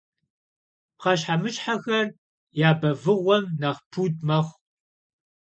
Пхъэщхьэмыщхьэхэр я бэвыгъуэм нэхъ пуд мэхъу.